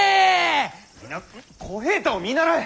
皆小平太を見習え。